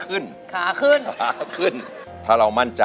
คาขึ้น